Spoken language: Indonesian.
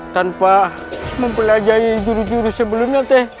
tanpa mempelajari jurus jurus sebelumnya teteh